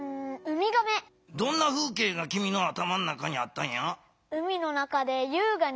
どんなふうけいがきみの頭の中にあったんや？